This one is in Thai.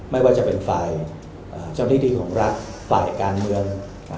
ไม่ว่าจะเป็นฝ่ายเจ้าหน้าที่ที่ของรัฐฝ่ายการเมือง